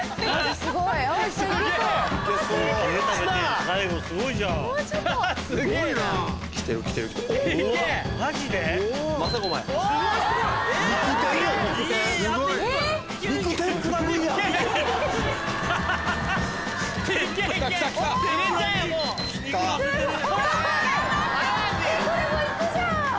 すごい！えっこれもう行くじゃん！